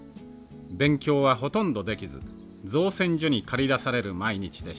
勉強はほとんどできず造船所に駆り出される毎日でした。